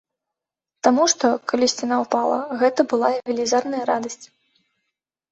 Таму што, калі сцяна ўпала, гэта была велізарная радасць!